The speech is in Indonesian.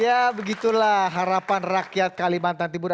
ya begitulah harapan rakyat kalimantan timur